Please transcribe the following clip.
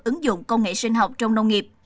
ứng dụng công nghệ sinh học trong nông nghiệp